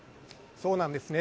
そうなんですね。